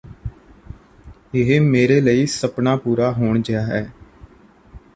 ਇਹ ਮੇਰੇ ਲਈ ਸਪਨਾ ਪੂਰਾ ਹੋਣ ਜਿਹਾ ਹੈ